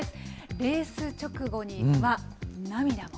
レース直後には、涙も。